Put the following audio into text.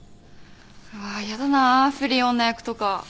うわやだな不倫女役とか